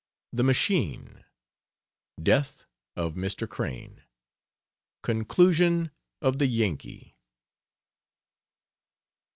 THE MACHINE. DEATH OF MR. CRANE. CONCLUSION OF THE YANKEE.